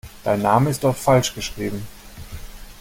Dein Name ist dort falsch geschrieben.